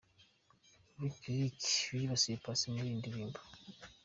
Licklick yibasiye Paccy muri iyi ndirimbo.